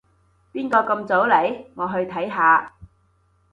邊個咁早嚟？我去睇下